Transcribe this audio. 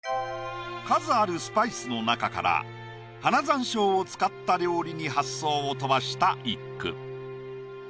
数あるスパイスの中から花山椒を使った料理に発想を飛ばした一句。